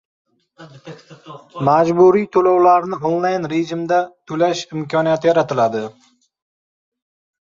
Majburiy to‘lovlarni onlayn rejimda to‘lash imkoniyati yaratiladi.